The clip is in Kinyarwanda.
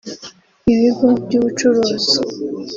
ibigo by’ubucuruzi